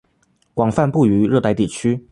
广泛布于热带地区。